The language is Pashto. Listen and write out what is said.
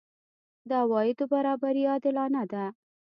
د عوایدو برابري عادلانه ده؟